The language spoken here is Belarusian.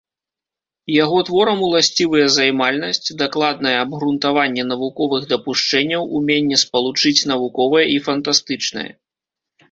Яго творам уласцівыя займальнасць, дакладнае абгрунтаванне навуковых дапушчэнняў, уменне спалучыць навуковае і фантастычнае.